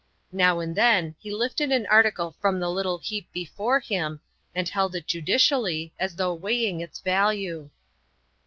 Now and then he lifted an article from the little heap before him and held it judicially, as though weighing its value.